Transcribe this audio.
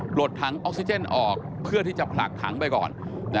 ลดถังออกซิเจนออกเพื่อที่จะผลักถังไปก่อน